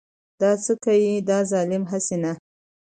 دا څه که يې دا ظالم هسې نه .